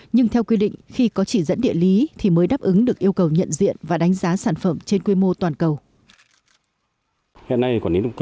nhưng theo quy định khi có chỉ dẫn địa lý thì mới đáp ứng được yêu cầu nhận diện và đánh giá sản phẩm trên quy mô toàn cầu